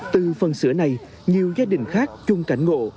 từ phần sữa này nhiều gia đình khác chung cảnh ngộ